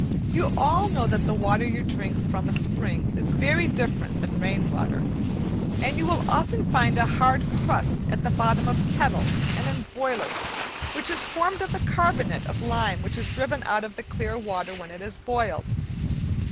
You all know that the water you drink from a spring is very different from rain water, and you will often find a hard crust at the bottom of kettles and in boilers, which is formed of the carbonate of lime which is driven out of the clear water when it is boiled.